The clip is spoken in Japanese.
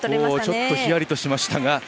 ちょっと、ひやりとしましたが。